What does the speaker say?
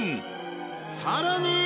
さらに